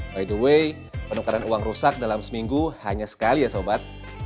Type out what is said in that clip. by the way penukaran uang rusak dalam seminggu hanya sekali ya sobat